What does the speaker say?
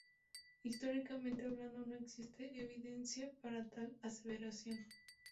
Históricamente hablando no existe evidencia para tal aseveración.